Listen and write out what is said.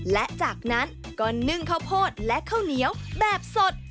และจากนั้นก็นึ่งข้าวโพดและข้าวเหนียวแบบสด